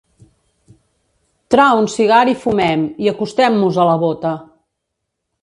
Trau un cigar i fumem i acostem-mos a la bota.